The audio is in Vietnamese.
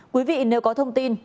quý vị nếu có thông tin